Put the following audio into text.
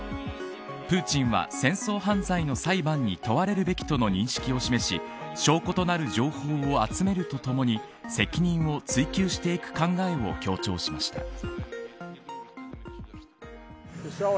プーチンは戦争犯罪の裁判に問われるべきとの認識を示し証拠となる情報を集めるとともに責任を追及していく考えを強調しました。